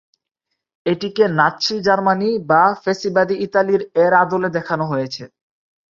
এটিকে Nazi Germany বা ফ্যাসিবাদী ইতালির এর আদলে দেখানো হয়েছে।